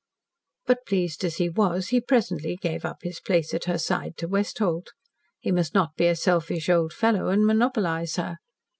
But pleased as he was, he presently gave up his place at her side to Westholt. He must not be a selfish old fellow and monopolise her.